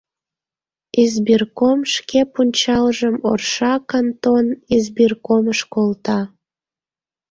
Избирком шке пунчалжым Орша кантон избиркомыш колта.